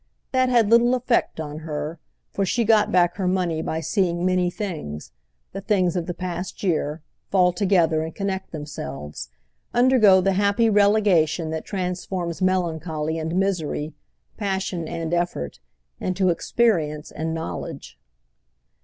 That had little effect on her, for she got back her money by seeing many things, the things of the past year, fall together and connect themselves, undergo the happy relegation that transforms melancholy and misery, passion and effort, into experience and knowledge.